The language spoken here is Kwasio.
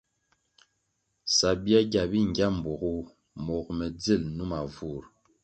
Sabyagya bi ngya mbpuogu mogo me dzil numa vur.